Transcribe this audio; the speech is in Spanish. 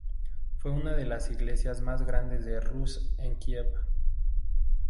Fue una de las iglesias más grande en Rus de Kiev.